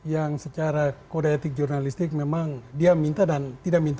yang secara kode etik jurnalistik memang dia minta dan tidak minta